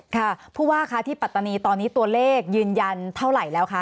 ค่ะผู้ว่าคะที่ปัตตานีตอนนี้ตัวเลขยืนยันเท่าไหร่แล้วคะ